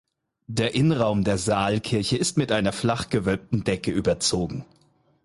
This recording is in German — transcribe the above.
Der Innenraum der Saalkirche ist mit einer flach gewölbten Decke überzogen.